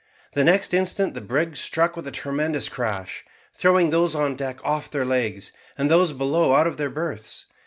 The next instant the brig struck with a tremendous crash, throwing those on deck off their legs, and those below out of their berths.